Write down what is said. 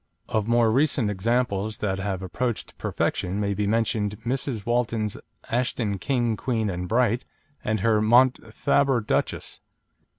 Of more recent examples that have approached perfection may be mentioned Mrs. Walton's Ashton King, Queen, and Bright, and her Mont Thabor Duchess.